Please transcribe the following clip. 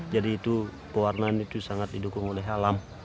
jadi itu pewarnaan itu sangat didukung oleh alam